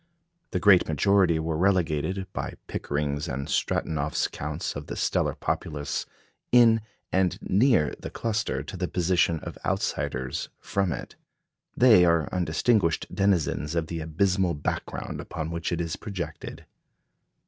The great majority were relegated, by Pickering's and Stratonoff's counts of the stellar populace in and near the cluster, to the position of outsiders from it. They are undistinguished denizens of the abysmal background upon which it is projected.